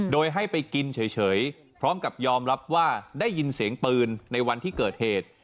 โดยให้ไปกินเฉยพร้อมกับยอมรับว่าได้ยินเสียงปืนในวันที่เกิดเหตุ